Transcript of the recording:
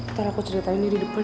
ntar aku ceritainnya di depan